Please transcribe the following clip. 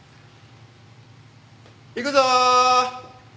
行くぞ。